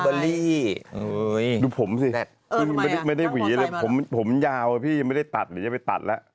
โบราลี่ดูผมซิไม่ได้หวีอะไรผมผมยาวอ่ะพี่ไม่ได้ตัดหรือยังไปตัดแล้ว